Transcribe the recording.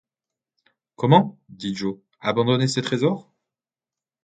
Comment! dit Joe, abandonner ces trésors !